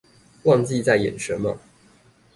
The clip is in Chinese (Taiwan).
忘記在演什麼